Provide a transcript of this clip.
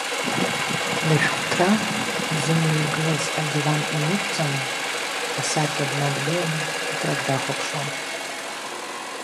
Лышәҟәҭра зымҩа игылаз адиван инықәҵаны, асаркьа днадгылан ԥыҭрак дахәаԥшуан.